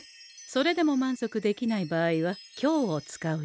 それでも満足できない場合は「強」を使うように。